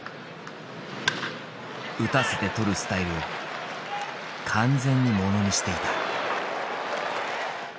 打たせてとるスタイルを完全にものにしていた。